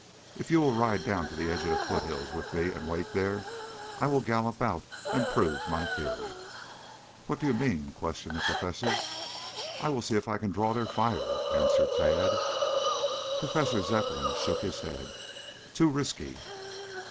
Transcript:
If you will ride down to the edge of the foothills with me and wait there, I will gallop out and prove my theory." "What do you mean?" questioned the professor. "I will see if I can draw their fire," answered Tad. Professor Zepplin shook his head. "Too risky!"